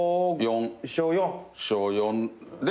４。小４で。